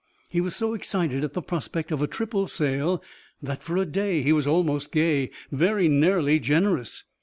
He was so excited at the prospect of a triple sale that for a day he was almost gay, very nearly generous.